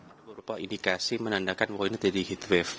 ada beberapa indikasi menandakan bahwa ini jadi heat wave